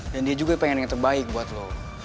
dan dia juga pengen yang terbaik buat lu